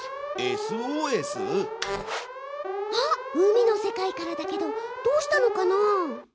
ＳＯＳ？あっ海の世界からだけどどうしたのかな？